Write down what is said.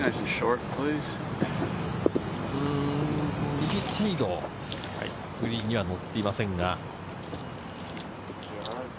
右サイド、グリーンには乗っていません。